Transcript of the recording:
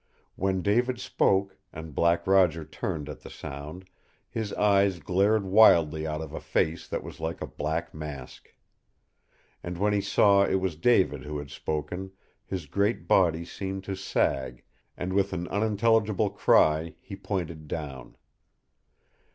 When David spoke and Black Roger turned at the sound his eyes glared wildly out of a face that was like a black mask. And when he saw it was David who had spoken, his great body seemed to sag, and with an unintelligible cry he pointed down.